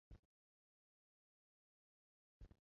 主要使用法语。